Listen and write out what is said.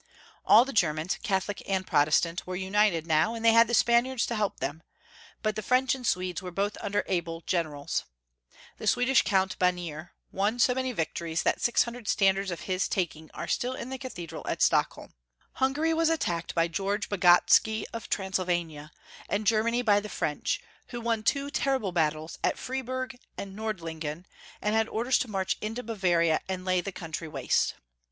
All the Germans, Catholic and Protestant, were united now, and they had the Spaniards to help them, but the French and Swedes were both under able generals. The Swedish Count Banier won so Ferdinand III. 853 many victories that six hundred standards of his taking are still in the Cathedral at Stockholm. Hungary was attacked by George Bagotsky of Transylvania, and Germany by the French, who won two terrible battles at Friburg and Nordlin gen, and had orders to march into Bavaria and lay the country waste.